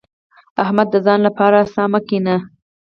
احمده! د ځان لپاره څا مه کينه.